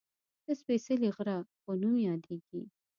د "سپېڅلي غره" په نوم یادېږي